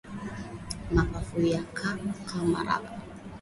Mapafu yanakaa kama raba